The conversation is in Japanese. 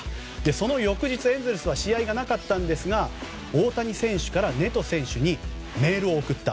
その翌日、エンゼルスは試合がなかったんですが大谷選手からネト選手に、メールを送った。